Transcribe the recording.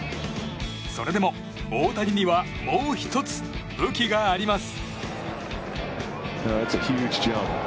それでも大谷にはもう１つ武器があります。